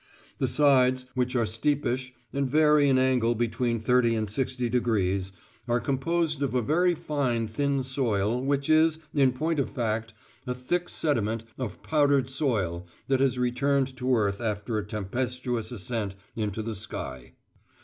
The sides, which are steepish, and vary in angle between thirty and sixty degrees, are composed of a very fine thin soil, which is, in point of fact, a thick sediment of powdered soil that has returned to earth after a tempestuous ascent into the sky.